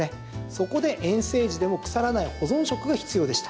そこで遠征時でも腐らない保存食が必要でした。